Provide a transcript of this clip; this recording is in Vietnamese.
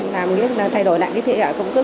để thay đổi lại cái thể hợp công cước